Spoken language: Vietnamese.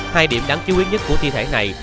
hai điểm đáng chú ý nhất của thi thể này